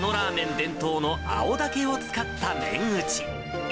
伝統の青竹を使った麺打ち。